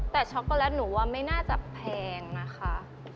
แต่ช็อกโกแลตหนูว่าไม่น่าจะแพงนะคะ